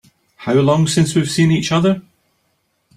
How long since we've seen each other?